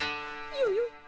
よよ。